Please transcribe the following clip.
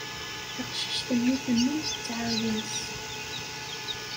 Taqcict-nni tennum tettɛawaz.